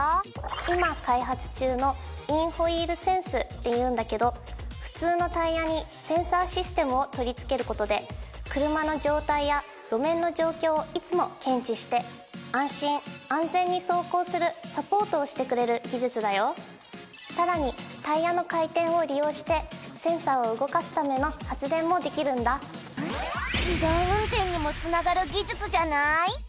今開発中のインホイールセンスっていうんだけど普通のタイヤにセンサーシステムを取りつけることで車の状態や路面の状況をいつも検知して安心安全に走行するサポートをしてくれる技術だよさらにタイヤの回転を利用してセンサーを動かすための発電もできるんだ自動運転にもつながる技術じゃない？